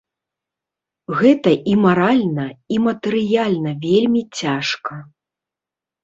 Гэта і маральна, і матэрыяльна вельмі цяжка.